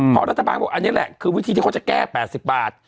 เพราะรัฐบาลบอกอันนี้แหละคือวิธีที่เขาจะแก้๘๐บาท